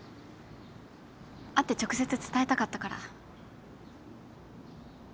会って直接伝えたかったから。